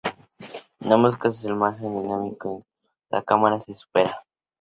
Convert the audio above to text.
En ambos casos, el margen dinámico de la cámara se supera.